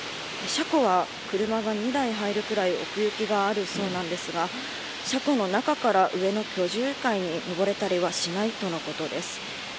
車庫は車が２台入るぐらい奥行きがあるそうなんですが車庫の中から上の居住階に上れたりはしないということです。